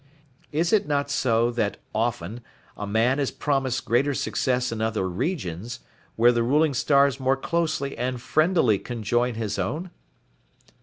Is it not so that, often, a man is promised greater success in other regions, where the ruling stars more closely and friendlily conjoin his own?"